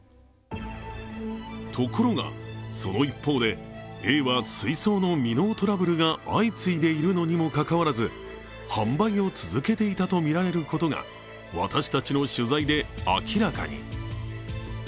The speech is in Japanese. ところが、その一方で、Ａは水槽の未納トラブルが相次いでいるのにもかかわらず、販売を続けていたとみられることが私たちの取材で明らかに。